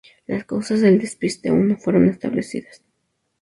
Las causas del despiste aún no fueron establecidas.